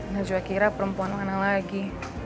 gak juga kira perempuan mana lagi